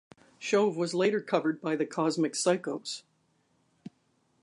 "Shove" was later covered by the Cosmic Psychos.